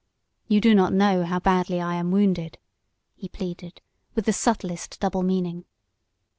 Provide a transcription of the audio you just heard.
You do not know how badly I am wounded," he pleaded, with the subtlest double meaning.